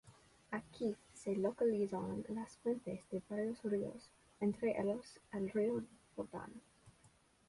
Aquí se localizan las fuentes de varios ríos, entre ellos el río Jordán.